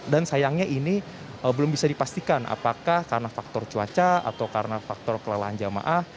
dan sayangnya ini belum bisa dipastikan apakah karena faktor cuaca atau karena faktor kelelahan jemaah